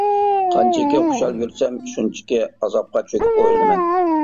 قانچىكى خۇشال يۈرسەم، شۇنچىكى ئازابقا چۆكۈپ ئويلىنىمەن.